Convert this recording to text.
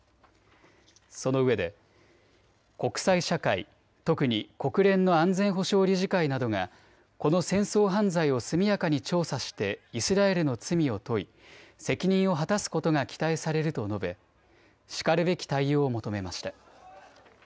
そのうえで国際社会、特に国連の安全保障理事会などがこの戦争犯罪を速やかに調査してイスラエルの罪を問い、責任を果たすことが期待されると述べしかるべき対応を求めました。